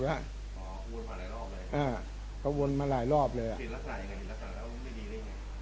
วนมาหลายรอบเลยอ่าเขาวนมาหลายรอบเลยอ่ะสินลักษณะยังไง